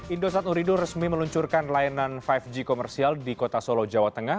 indosat uridur resmi meluncurkan layanan lima g komersial di kota solo jawa tengah